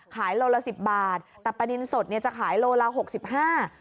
ขายโลละ๑๐บาทแต่ปลานินสดจะขายโลละ๖๕บาท